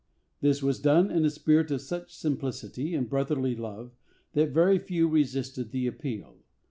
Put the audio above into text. This was done in a spirit of such simplicity and brotherly love that very few resisted the appeal.